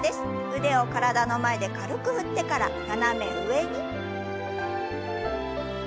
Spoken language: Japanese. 腕を体の前で軽く振ってから斜め上に。